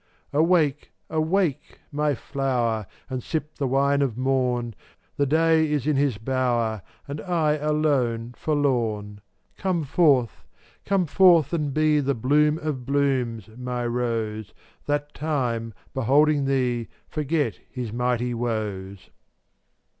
416 Awake, awake! my Flower, And sip the wine of morn, The Day is in his bower And I alone forlorn. Come forth, come forth, and be The bloom of blooms, my rose, That time, beholding thee, Forget his mighty woes.